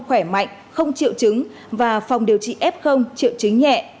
khỏe mạnh không triệu chứng và phòng điều trị ép không triệu chứng nhẹ